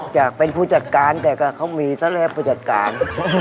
อยากเป็นผู้จัดการแต่ก็เขามีซะแล้วผู้จัดการ